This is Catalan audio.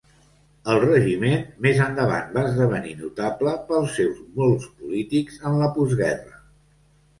El regiment més endavant va esdevenir notable pels seus molts polítics en la postguerra.